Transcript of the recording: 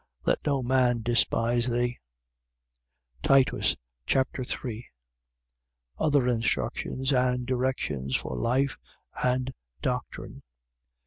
Let no man despise thee. Titus Chapter 3 Other instructions and directions for life and doctrine.